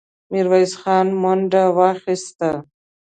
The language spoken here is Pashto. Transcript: ميرويس خان منډه واخيسته.